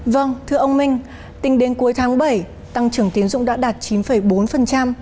vâng thưa ông minh tính đến cuối tháng bảy tăng trưởng tiến dụng đã đạt chín bốn